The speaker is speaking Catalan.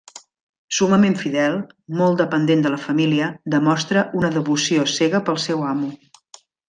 Summament fidel, molt dependent de la família, demostra una devoció cega pel seu amo.